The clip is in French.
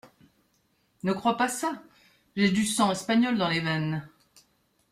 Ne crois pas ça ! j’ai du sang espagnol dans les veines !